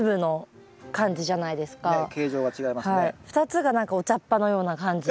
２つが何かお茶っ葉のような感じ？